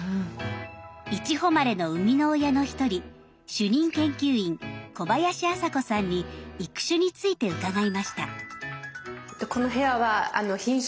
いちほまれの生みの親の一人主任研究員小林麻子さんに育種について伺いました。